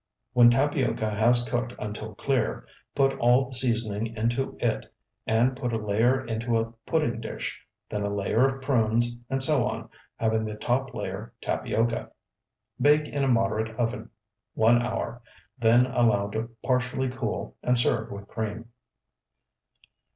When tapioca has cooked until clear, put all the seasoning into it, and put a layer into a pudding dish, then a layer of prunes, and so on, having the top layer tapioca. Bake in moderate oven one hour; then allow to partially cool, and serve with cream.